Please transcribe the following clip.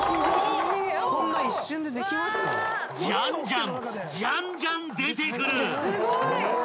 ［じゃんじゃんじゃんじゃん出てくる！］